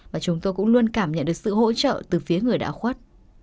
và chúng tôi cũng luôn cảm nhận được sự hỗ trợ từ phía người đã khuất